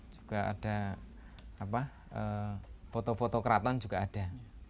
juga ada foto foto keraton juga ada